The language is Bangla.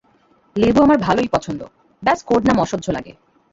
লেবু আমার ভালোই পছন্দ, ব্যস কোড নাম অসহ্য লাগে।